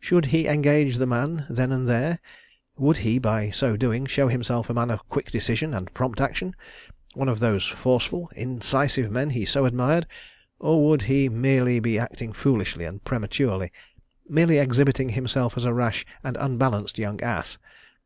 Should he engage the man then and there? Would he, by so doing, show himself a man of quick decision and prompt action—one of those forceful, incisive men he so admired? Or would he merely be acting foolishly and prematurely, merely exhibiting himself as a rash and unbalanced young ass?